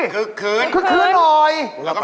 คึกคื้นโอหรอคึกคื้นหน่อย